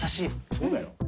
そうだよ。